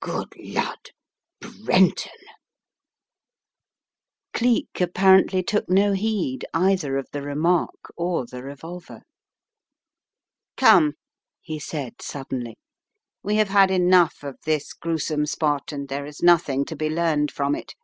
"Good lud, Brenton!" A Terrible Discovery 129 Geek apparently took no heed either of the remark or the revolver. "Come," he said suddenly, "We have had enough of this gruesome spot, and there is nothing to be learned from it.